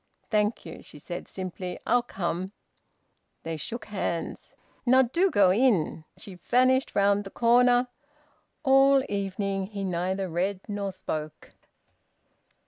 "Thank you," she said simply. "I'll come." They shook hands. "Now do go in!" She vanished round the corner. All the evening he neither read nor spoke.